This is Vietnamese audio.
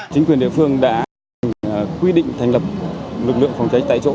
chính quyền địa phương đã quy định thành lập lực lượng phòng cháy tại chỗ